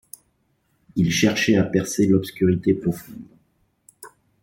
Il cherchait à percer l’obscurité profonde.